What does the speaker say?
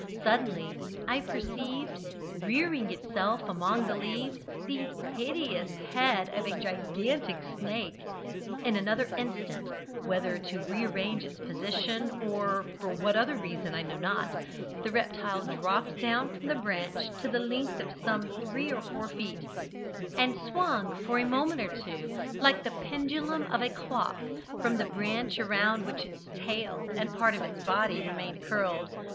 Suddenly I perceived, rearing itself among the leaves, the hideous head of a gigantic snake. In another instant, whether to re arrange its position or for what other reason I know not, the reptile dropped down from the branch to the length of some three or four feet, and swing for a moment or two like the pendulum of a clock, from the branch around which its tail and part of its body remained curled.